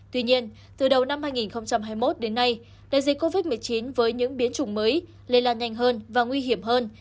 tuy nhiên từ đầu năm hai nghìn hai mươi một đến nay đại dịch covid một mươi chín với những biến chủng mới lây lan nhanh hơn và nguy hiểm hơn